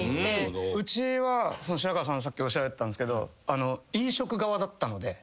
うちは白河さんさっきおっしゃられてたんですけど。